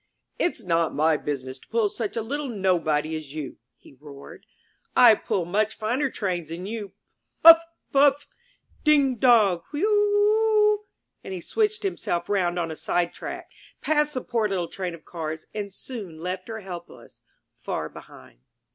''It's not my business to pull such a little nobody as you!" he roared. "I pull much finer trains than you! Puff, Puff! Ding, dong! Wheu eu eu!" And he switched himself round on a sidetrack, passed the poor little Train of Cars and soon left her helpless, far behind.